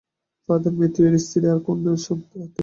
Father Matthew এর স্ত্রী আর কণ্যার সাথে।